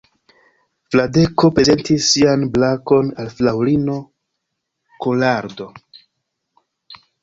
Fradeko prezentis sian brakon al fraŭlino Kolardo.